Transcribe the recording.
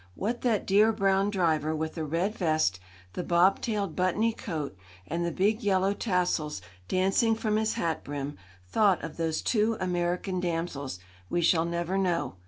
What that dear, brown driver with the red vest, the bobtailed, buttony coat, and the big yellow tassels dancing from his hat brim, thought of those two American damsels we shall never know.